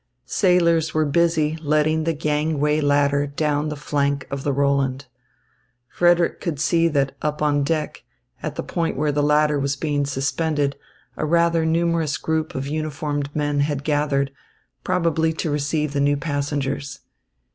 Sailors were busy letting the gangway ladder down the flank of the Roland. Frederick could see that up on deck, at the point where the ladder was being suspended, a rather numerous group of uniformed men had gathered, probably to receive the new passengers.